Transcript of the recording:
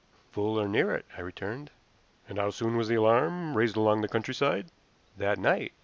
"Full, or near it," I returned. "And how soon was the alarm raised along the countryside?" "That night.